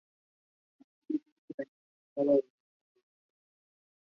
Friess was born in Southern Illinois and grew up in Chester.